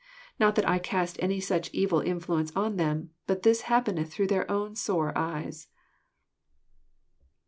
Not that I cast any such evil influence on them, but this happeneth through their own sore eyes."